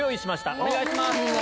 お願いします。